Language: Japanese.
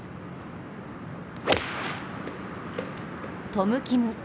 トム・キム。